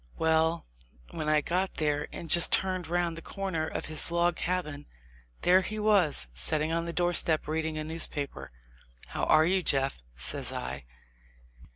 Well, when I got there and just turned round the corner of his log cabin, there he was, set ting on the doorstep reading a newspaper. "How are you, Jeff?" says I.